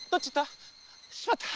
しまった！